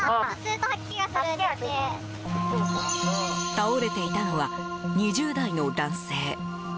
倒れていたのは２０代の男性。